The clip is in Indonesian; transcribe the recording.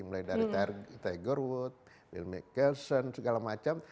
mulai dari tiger woods bill m coulson segala macam